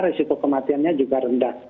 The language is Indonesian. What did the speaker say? risiko kematiannya juga rendah